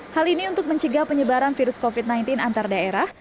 hal ini untuk mencegah penyebaran virus covid sembilan belas antar daerah